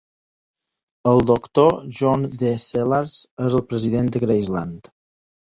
El doctor John D. Sellars és el president de Graceland.